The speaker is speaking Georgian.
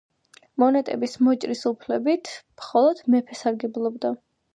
მონეტების მოჭრის უფლებით მხოლოდ მეფე სარგებლობდა.